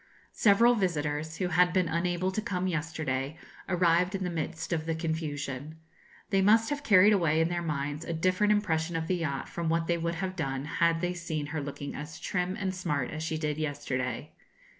Several visitors, who had been unable to come yesterday, arrived in the midst of the confusion. They must have carried away in their minds a different impression of the yacht from what they would have done had they seen her looking as trim and smart as she did yesterday.